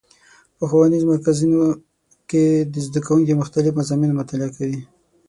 په ښوونیزو مرکزونو کې زدهکوونکي مختلف مضامین مطالعه کوي.